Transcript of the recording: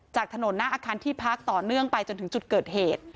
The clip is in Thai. จากถนนที่พักต่อเนื่องมาจนถึงเกิดเหตุ